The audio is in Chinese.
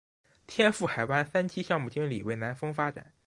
天赋海湾三期项目经理为南丰发展。